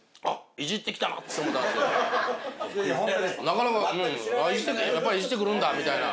なかなかやっぱイジってくるんだみたいな。